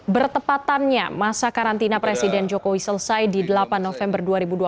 bertepatannya masa karantina presiden jokowi selesai di delapan november dua ribu dua puluh